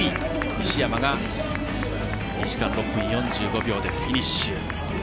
西山が２時間６分４５秒でフィニッシュ。